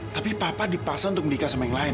tapi papa dipaksa untuk menikah sama yang lain